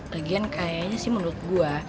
lagian kayaknya sih menurut gue